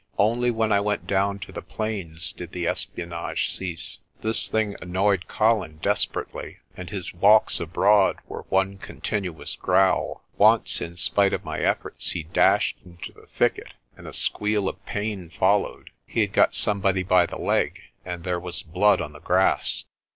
Only when I went down to the plains did the espionage cease. This thing annoyed Colin desperately, and his walks abroad were one continuous growl. Once, in spite of my efforts, he dashed into the thicket, and a squeal of pain followed. He had got some body by the leg, and there was blood on the grass.